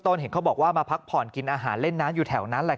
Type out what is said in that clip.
เห็นเขาบอกว่ามาพักผ่อนกินอาหารเล่นน้ำอยู่แถวนั้นแหละ